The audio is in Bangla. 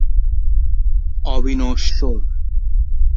দীর্ঘমেয়াদী পাকস্থলীর আলসার ক্যান্সারে রূপান্তরের সম্ভাবনা থাকে।